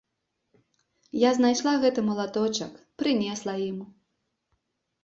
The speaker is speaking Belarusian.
Я знайшла гэты малаточак, прынесла ім.